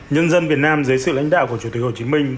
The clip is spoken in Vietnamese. nhân dân việt nam dưới sự lãnh đạo của chủ tịch hồ chí minh